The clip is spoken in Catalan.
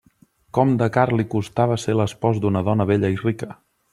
Com de car li costava ser l'espòs d'una dona bella i rica!